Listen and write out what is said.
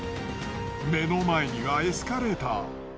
目の前にはエスカレーター。